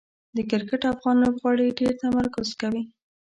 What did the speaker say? د کرکټ افغان لوبغاړي ډېر تمرکز کوي.